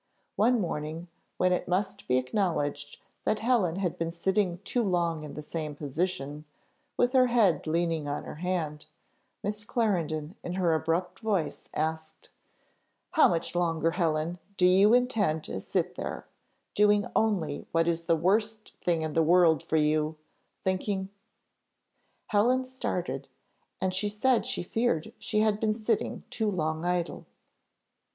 One morning, when it must be acknowledged that Helen had been sitting too long in the same position, with her head leaning on her hand, Miss Clarendon in her abrupt voice asked, "How much longer, Helen, do you intend to sit there, doing only what is the worst thing in the world for you thinking?" Helen started, and said she feared she had been sitting too long idle.